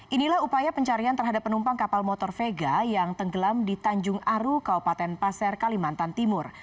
inilah upaya pencarian terhadap penumpang kapal motor vega yang tenggelam di tanjung aru kaupaten pasir kalimantan timur